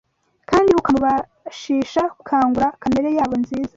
kandi ukamubashisha gukangura kamere yabo nziza